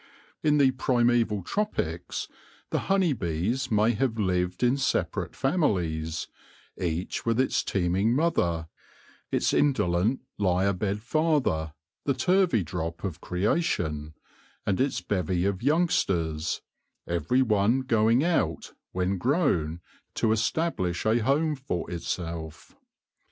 In the primaeval tropics the honey bees may have lived in separate families, each with its teeming mother, its indolent, lie abed father — the Turveydrop of creation — and its bevy of youngsters, every one going out, when grown, to establish a home for itself.